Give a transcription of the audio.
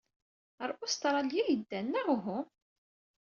Ɣer Ustṛalya ay ddan, neɣ uhu?